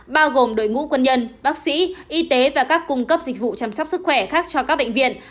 bao gồm đội ngũ quân nhân bác sĩ y tế và các cung cấp dịch vụ chăm sóc sức khỏe khác cho các bệnh viện